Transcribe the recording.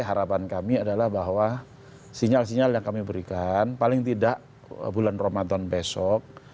harapan kami adalah bahwa sinyal sinyal yang kami berikan paling tidak bulan ramadan besok